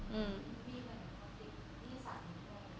อืม